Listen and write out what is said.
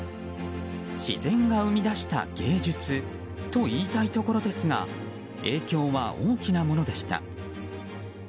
自然が生み出した芸術と言いたいところですが影響は大きなものでした。